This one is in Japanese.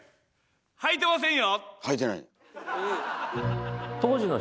はいてませんよ！